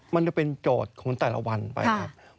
มันจะเป็นโจทย์ของแต่ละวันไปครับ